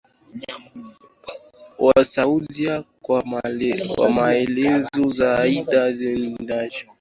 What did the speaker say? wa Saudia Kwa maelezo zaidi Najd ilikuwa ndiyo chanzo cha